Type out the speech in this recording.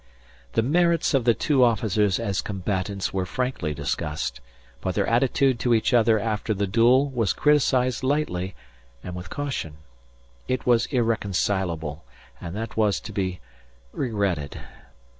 The merits of the two officers as combatants were frankly discussed; but their attitude to each other after the duel was criticised lightly and with caution. It was irreconcilable, and that was to be regretted.